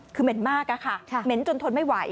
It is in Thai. คือเหม็นมากอะค่ะเหม็นจนทนไม่ไหว